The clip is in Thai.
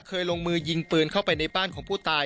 ลงมือยิงปืนเข้าไปในบ้านของผู้ตาย